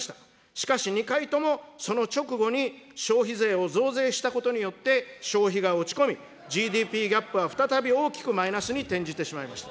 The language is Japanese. しかし２回とも、その直後に消費税を増税したことによって、消費が落ち込み、ＧＤＰギャップは再び大きくマイナスに転じてしまいました。